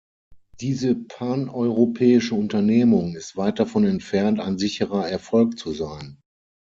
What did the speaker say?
Diese paneuropäische Unternehmung ist weit davon entfernt, ein sicherer Erfolg zu sein.